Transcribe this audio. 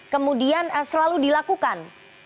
kemudian selalu dilakukan